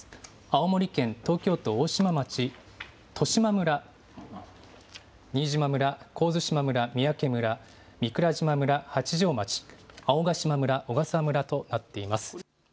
青森県東京都大島町、利島村、新島村、神津島村、三宅村、御蔵島村、八丈町、青ヶ島村、小笠原村となっています。